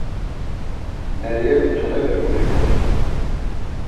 Meryemi tolepe golikosu.